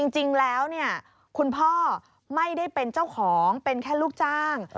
จริงแล้วคุณพ่อไม่ได้เป็นเจ้าของเป็นแค่ลูกจ้าง